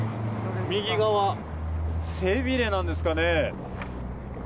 右側、背びれなんですかね。